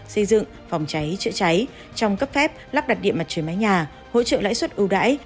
xây dựng phòng cháy chữa cháy trong cấp phép lắp đặt điện mặt trời mái nhà hỗ trợ lãi suất ưu đãi